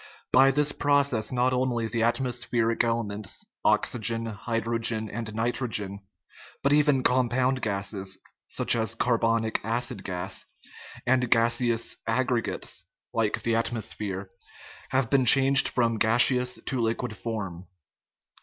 By this process not only the atmospheric elements, oxygen, hydrogen, and nitro gen, but even compound gases (such as carbonic acid gas) and gaseous aggregates (like the atmosphere) have been changed from gaseous to liquid form.